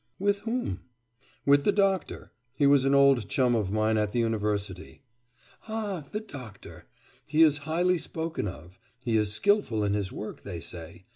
'With whom?' 'With the doctor. He was an old chum of mine at the university.' 'Ah! the doctor. He is highly spoken of. He is skilful in his work, they say.